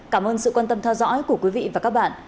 cảm ơn sự quan tâm theo dõi của quý vị và các bạn